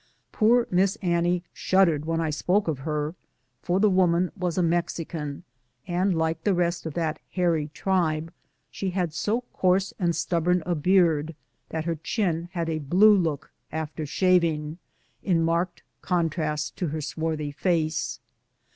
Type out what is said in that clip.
"Poor Miss Annie" shuddered w^hen I spoke of her, for the woman was a Mexican, and like the rest of that hairy tribe she had so coarse and stubborn a beard that her chin had a blue look after shaving, in marked contrast to her swarthy face.